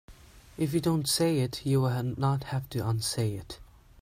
If you don't say it you will not have to unsay it.